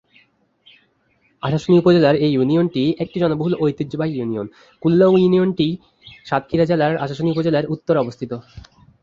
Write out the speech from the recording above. আশাশুনি উপজেলার এই ইউনিয়নটি একটি জনবহুল ও ঐতিহ্যবাহী ইউনিয়ন, কুল্যা ইউনিয়নটি সাতক্ষীরা জেলার আশাশুনি উপজেলার উত্তরে অবস্থিত।